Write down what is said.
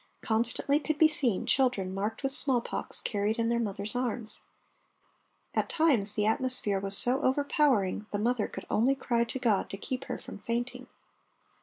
Constantly could be seen children marked with smallpox carried in their mother's arms. At times the atmosphere was so over powering the mother could only cry to God to keep her from fainting.